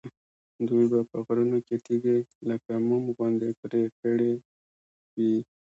دوی به په غرونو کې تیږې لکه موم غوندې پرې کړې وي.